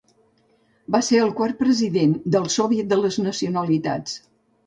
Va ser el quart President del Soviet de les Nacionalitats.